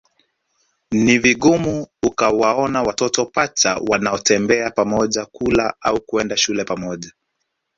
Ni vigumu ukawaona watoto pacha wanaotembea pamoja kula au kwenda shule pamoja